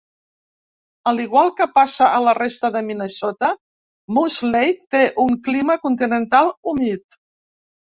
Al igual que passa a la resta de Minnesota, Moose Lake té un clima continental humit.